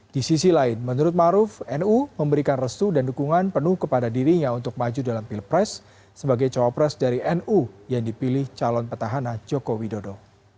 di sisi lain menurut ⁇ maruf ⁇ nu memberikan restu dan dukungan penuh kepada dirinya untuk maju dalam pilpres sebagai cowok pres dari nu yang dipilih calon petahana joko widodo